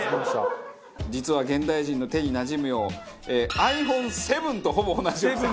実は現代人の手になじむようｉＰｈｏｎｅ７とほぼ同じ大きさ。